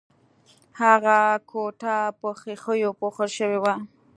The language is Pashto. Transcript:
هغه کوټه په ښیښو پوښل شوې وه